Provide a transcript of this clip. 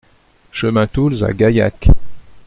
Chemin Toulze à Gaillac